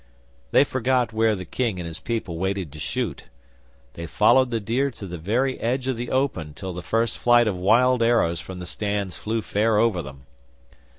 They forgot where the King and his people waited to shoot. They followed the deer to the very edge of the open till the first flight of wild arrows from the stands flew fair over them.